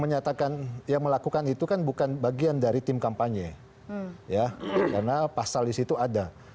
menyatakan yang melakukan itu kan bukan bagian dari tim kampanye ya karena pasal di situ ada